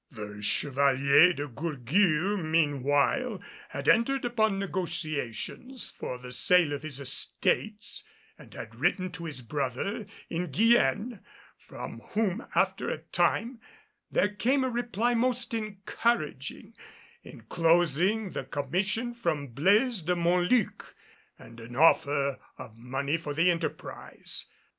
The Chevalier de Gourgues meanwhile had entered upon negotiations for the sale of his estates and had written to his brother in Guienne, from whom after a time there came a reply most encouraging, enclosing the commission from Blaise de Montluc and an offer of money for the enterprise.